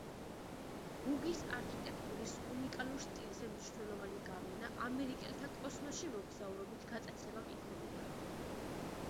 გუგის არქიტექტურის უნიკალურ სტილზე მნიშვნელოვანი გავლენა ამერიკელთა კოსმოსში მოგზაურობით გატაცებამ იქონია.